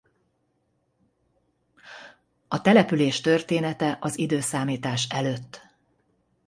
A település története az i.e.